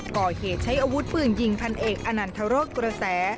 ก่อเหตุใช้อาวุธปืนยิงพันเอกอนันทรศกระแส